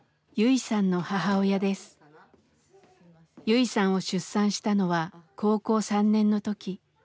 ユイさんを出産したのは高校３年の時。